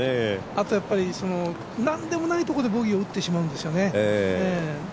あと、なんでもないところでボギーを打ってしまうんですね。